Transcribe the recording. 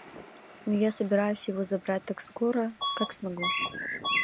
Но я собираюсь его забрать так скоро, как смогу.